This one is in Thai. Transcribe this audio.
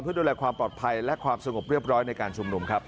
เพื่อดูแลความปลอดภัยและความสงบเรียบร้อยในการชุมนุมครับ